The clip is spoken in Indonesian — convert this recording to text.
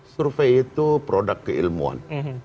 survei itu produk keilmuan